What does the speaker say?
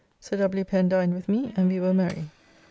Sir W. Pen dined with me and we were merry.